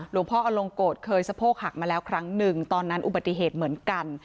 พ่ออลงโกรธเคยสะโพกหักมาแล้วครั้งหนึ่งตอนนั้นอุบัติเหตุเหมือนกัน